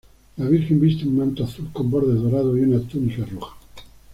La Virgen viste un manto azul con bordes dorados y una túnica roja.